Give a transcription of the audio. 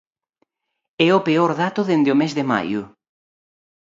É o peor dato dende o mes de maio.